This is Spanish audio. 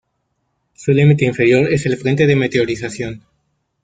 Su límite inferior es el frente de meteorización.